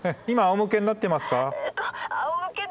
今あおむけになってますか？